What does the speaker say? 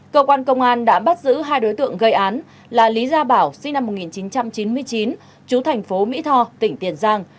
cơ quan công an đã bắt giữ hai đối tượng gây án là lý gia bảo sinh năm một nghìn chín trăm chín mươi chín chú thành phố mỹ tho tỉnh tiền giang